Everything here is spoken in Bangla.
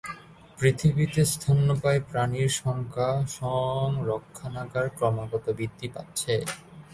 পৃথিবীতে স্তন্যপায়ী প্রাণীর সংখ্যা সংরক্ষণাগার ক্রমাগত বৃদ্ধি পাচ্ছে।